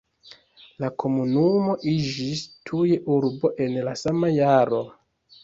La komunumo iĝis tuj urbo en la sama jaro.